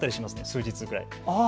数日くらい。